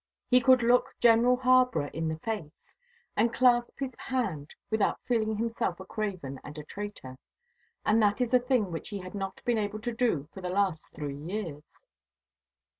He could look General Harborough in the face, and clasp his hand without feeling himself a craven and a traitor, and that is a thing which he had not been able to do for the last three years.